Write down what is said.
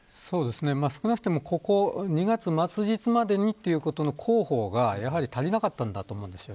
少なくとも２月末日までにという広報がやはり足りなかったんだと思います。